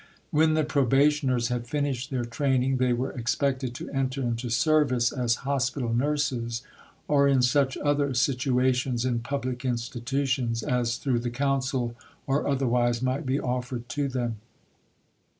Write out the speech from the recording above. When the probationers had finished their training, they were expected to enter into service as hospital nurses, or in such other situations in public institutions as through the Council or otherwise might be offered to them.